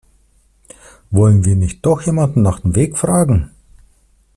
Wollen wir nicht doch jemanden nach dem Weg fragen?